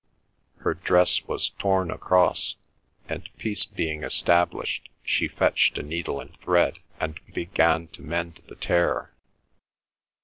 Her dress was torn across, and peace being established, she fetched a needle and thread and began to mend the tear.